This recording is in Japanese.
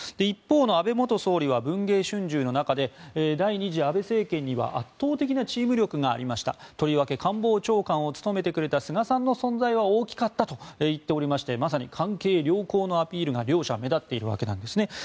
一方の安倍元総理は「文藝春秋」の中で第２次安倍政権には圧倒的なチーム力がありましたとりわけ官房長官を務めてくれた菅さんの存在は大きかったと言っておりましてまさに関係良好のアピールが両者目立っているわけです。